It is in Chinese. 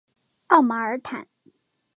奥马尔坦。